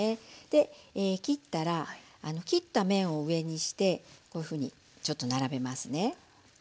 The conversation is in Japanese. で切ったら切った面を上にしてこういうふうに並べますね。